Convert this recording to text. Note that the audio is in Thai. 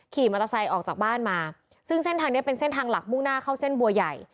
ขี่มอเตอร์ไซค์ออกจากบ้านมาซึ่งเส้นทางนี้เป็นเส้นทางหลักมุ่งหน้าเข้าเส้นบัวใหญ่